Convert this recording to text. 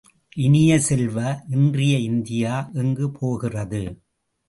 இனிய செல்வ இன்றைய இந்தியா எங்கு போகிறது?